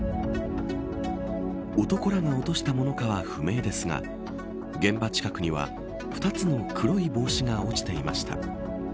男らが落としたものかは不明ですが現場近くには２つの黒い帽子が落ちていました。